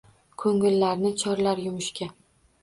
Ko‘ngillarni chorlar yumushga.